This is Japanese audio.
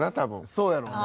そうやろうね。